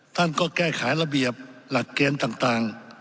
ท่านก็แก้ไขระเบียบหลักเกณฑ์ต่าง